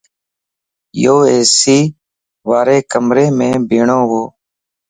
يو اي سي واري ڪمريم ٻيھڻووَ